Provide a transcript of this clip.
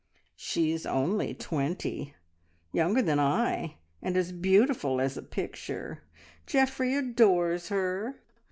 She is only twenty younger than I, and as beautiful as a picture. Geoffrey adores her.